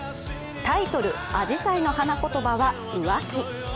タイトル「紫陽花」の花言葉は浮気。